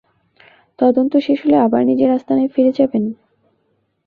তদন্ত শেষ হলে আবার নিজের আস্তানায় ফিরে যাবেন?